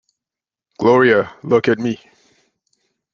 Gloria, look at me!